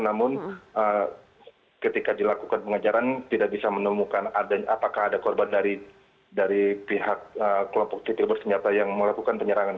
namun ketika dilakukan pengejaran tidak bisa menemukan apakah ada korban dari pihak kelompok tipil bersenjata yang melakukan penyerangan